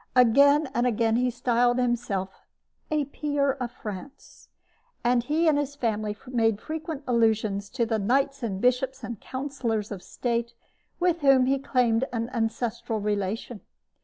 Again and again he styled himself "a peer of France;" and he and his family made frequent allusions to the knights and bishops and counselors of state with whom he claimed an ancestral relation.